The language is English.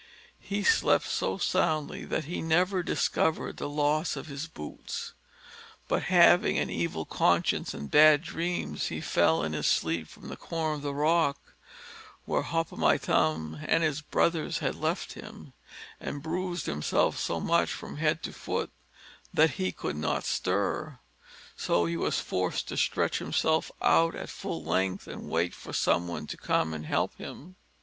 He slept so soundly that he never discovered the loss of his boots; but having an evil conscience and bad dreams, he fell in his sleep from the corner of the rock where Hop o' my thumb and his brothers had left him, and bruised himself so much from head to foot, that he could not stir: so he was forced to stretch himself out at full length, and wait for some one to come and help him.